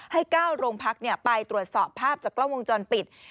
ให้๙โรงพักไปตรวจสอบภาพจากกล้องวงจรปิด